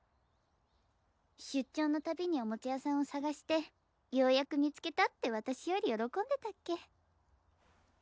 出張の度におもちゃ屋さんを探してようやく見つけたって私より喜んでたっけ。